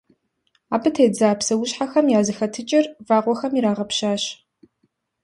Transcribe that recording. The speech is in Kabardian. Абы тедза псэущхьэхэм я зэхэтыкӀэр вагъуэхэм ирагъэпщащ.